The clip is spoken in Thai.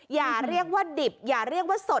อย่าเรียกว่าดิบอย่าเรียกว่าโสด